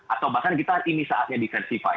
atau bahkan kita ini saatnya di festival